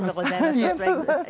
お座りください